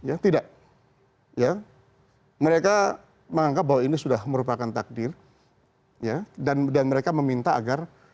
yang tidak ya mereka menganggap bahwa ini sudah merupakan takdir ya dan mereka meminta agar